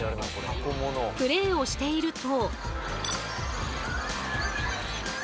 プレーをしていると。